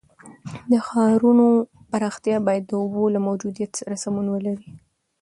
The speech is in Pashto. د ښارونو پراختیا باید د اوبو له موجودیت سره سمون ولري.